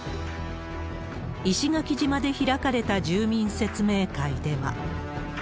石垣島で開かれた住民説明会では。